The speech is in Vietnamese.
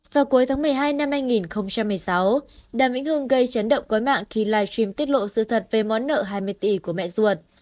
vào cuối tháng một mươi hai năm hai nghìn một mươi sáu đàm vĩnh hương gây chấn động quái mạng khi livestream tiết lộ sự thật về món nợ hai mươi tỷ của mẹ ruột